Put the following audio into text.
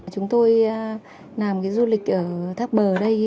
chúng tôi làm du lịch ở tháp bờ đây